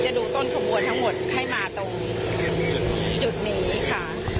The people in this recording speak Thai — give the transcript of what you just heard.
ดูต้นขบวนทั้งหมดให้มาตรงจุดนี้ค่ะ